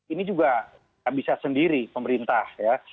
ini juga bisa sendiri pemerintah ya